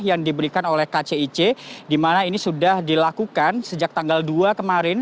yang diberikan oleh kcic di mana ini sudah dilakukan sejak tanggal dua kemarin